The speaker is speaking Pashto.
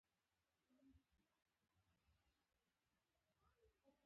فرض کړئ یو صنعتي شرکت یو میلیون افغانیو ته اړتیا لري